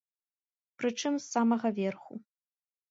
Прычым з самага верху.